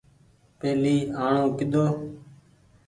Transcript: پهلي آڻو ڪيۮو۔